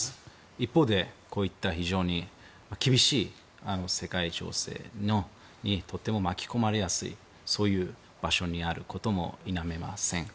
一方でこういった非常に厳しい世界情勢にとても巻き込まれやすい場所にあることも否めません。